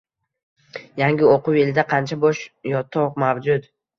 Yangi o'quv yilida qancha bo'sh yotoq mavjud?